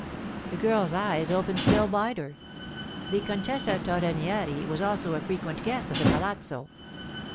The girl's eyes opened still wider; the Contessa Torrenieri was also a frequent guest at the palazzo.